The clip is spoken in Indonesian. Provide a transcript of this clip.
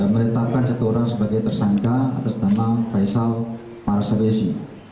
menetapkan satu orang sebagai tersangka atas nama faisal parasabesi